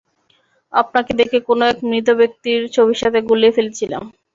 আপনাকে দেখে কোন এক মৃত ব্যাক্তির ছবির সাথে গুলিয়ে ফেলেছিলাম।